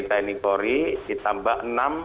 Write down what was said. tni polri ditambah enam